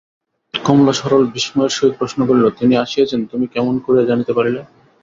কমলা সরল বিসময়ের সহিত প্রশ্ন করিল, তিনি আসিয়াছেন তুমি কেমন করিয়া জানিতে পারিলে?